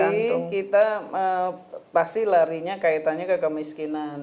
yang pasti kita pasti larinya kaitannya ke kemiskinan